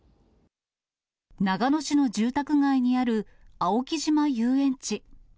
長野市の住宅街にある、青木島遊園地。